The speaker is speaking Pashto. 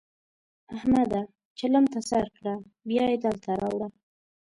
احمده! چلم ته سر کړه؛ بيا يې دلته راوړه.